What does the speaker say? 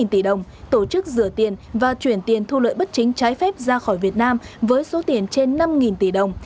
một mươi tỷ đồng tổ chức rửa tiền và chuyển tiền thu lợi bất chính trái phép ra khỏi việt nam với số tiền trên năm tỷ đồng